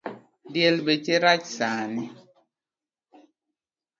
Diel beche rach sani